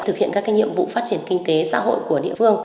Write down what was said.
thực hiện các nhiệm vụ phát triển kinh tế xã hội của địa phương